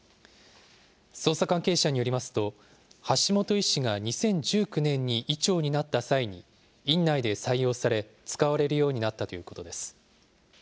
捜査関係者によりますと、橋本医師が２０１９年に医長になった際に、院内で採用され、使われるようになったということです。